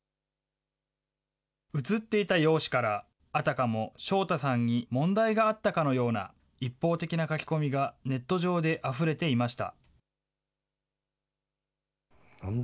写っていた容姿から、あたかも将太さんに問題があったかのような一方的な書き込みがネット上であふれていました。